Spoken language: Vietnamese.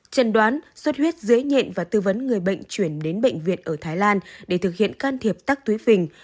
chân đoán xuất huyết dưới nhện và tư vấn người bệnh chuyển đến bệnh viện ở thái lan để thực hiện can thiệp tắc túi phình